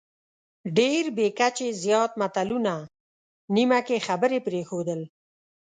ډېر بې کچې زیات متلونه، نیمه کې خبرې پرېښودل،